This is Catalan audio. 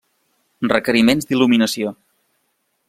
Requeriments d'il·luminació.